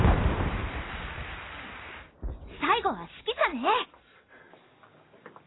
最後は指揮者ね。